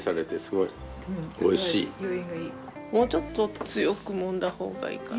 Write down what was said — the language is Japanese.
もうちょっと強くもんだ方がいいかな。